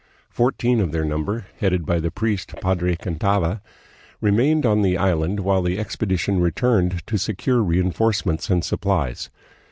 Fourteen of their number, headed by the priest, Padre Cantava, remained on the island while the expedition returned to secure reenforce ments and supplies.